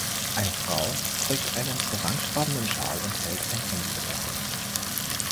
Eine Frau trägt einen orangefarbenen Schal und hält ein Handy in der Hand.